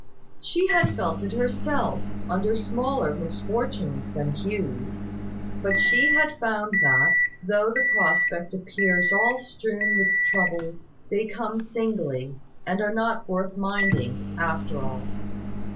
She had felt it herself, under smaller misfortunes than Hugh's; but she had found that, though the prospect appears all strewn with troubles, they come singly, and are not worth minding, after all.